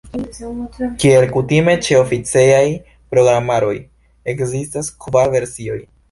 Kiel kutime ĉe oficejaj programaroj, ekzistas kvar versioj.